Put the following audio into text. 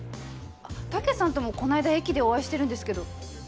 タケさんともこないだ駅でお会いしてるんですけど。